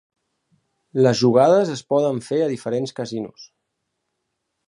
Les jugades es poden fer a diferents casinos.